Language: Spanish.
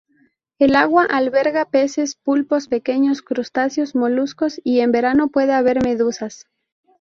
El agua alberga peces, pulpos, pequeños crustáceos, moluscos y en verano puede haber medusas.